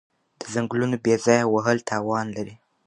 د ځنګلونو بې ځایه وهل تاوان لري.